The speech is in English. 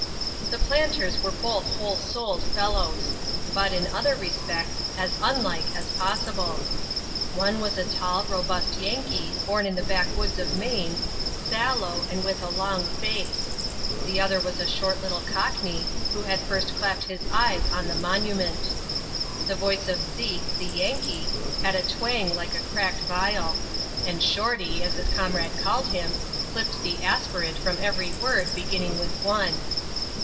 The planters were both whole souled fellows; but, in other respects, as unlike as possible. One was a tall, robust Yankee, bom in the backwoods of Maine, sallow, and with a long face; — the other was a short little Cockney, who had first clapped his eyes on the Monument The voice of Zeke, the Yankee, had a twang like a cracked Tiol ; and Shorty (as his comrade called him) clipped the aspi rate from every word beginning with one.